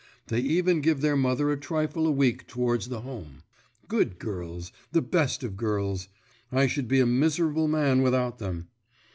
They even give their mother a trifle a week towards the home. Good girls, the best of girls; I should be a miserable man without them.